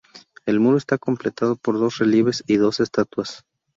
El muro está completado por dos relieves y dos estatuas.